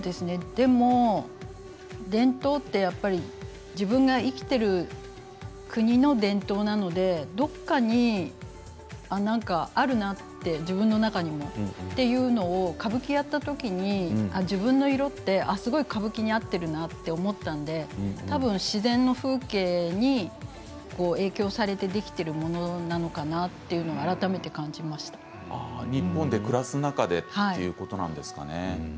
でも、伝統ってやっぱり自分が生きている国の伝統なのでどこか、何かあるなって自分の中にも。というのもの歌舞伎をやった時に自分の色ってすごく歌舞伎に合っているなと思ったので自然の風景に影響されてできているものなのかなって日本で暮らす中でということなんですかね。